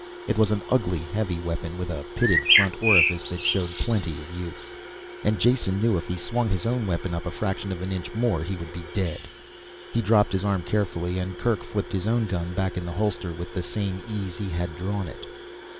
It was an ugly, heavy weapon with a pitted front orifice that showed plenty of use. And Jason knew if he swung his own weapon up a fraction of an inch more he would be dead. He dropped his arm carefully and Kerk flipped his own gun back in the holster with the same ease he had drawn it.